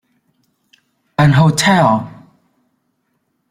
An hotel.